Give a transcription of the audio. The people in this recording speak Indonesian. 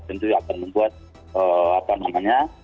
tentu akan membuat apa namanya